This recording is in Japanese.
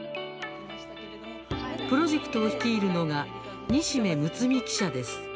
プロジェクトを率いるのが西銘むつみ記者です。